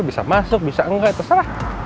bisa masuk bisa enggak terserah